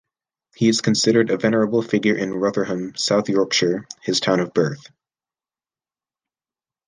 He is considered a venerable figure in Rotherham, South Yorkshire, his town of birth.